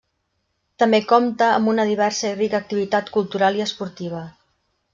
També compta amb una diversa i rica activitat cultural i esportiva.